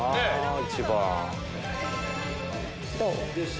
どう？